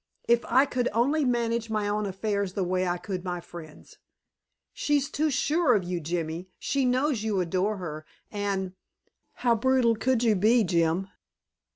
If I could only manage my own affairs the way I could my friends'! She's too sure of you, Jimmy. She knows you adore her, and how brutal could you be, Jim?"